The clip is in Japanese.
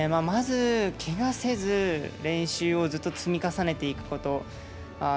まず、けがせず練習をずっと積み重ねていくこと。